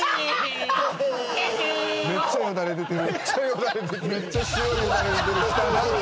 めっちゃ白いよだれ出てる。